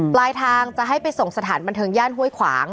ปลายทางจะให้ไปส่งสถานบันเทิงย่านห้วยขวาง